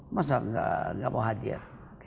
masa tidak mau hadir